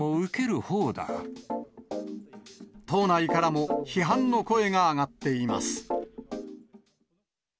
党内からも批判の声が上がっています。